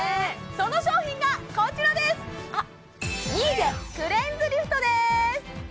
その商品がこちらです・あっ